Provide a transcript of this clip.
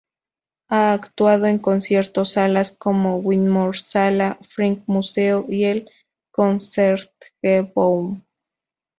Ha actuado en concierto salas como Wigmore Sala, Frick Museo y el Concertgebouw.